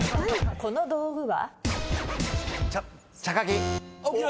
この道具は？